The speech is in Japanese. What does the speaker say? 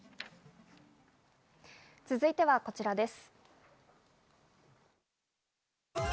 続いてはこちらです。